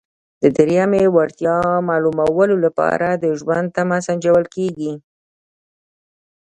د دریمې وړتیا معلومولو لپاره د ژوند تمه سنجول کیږي.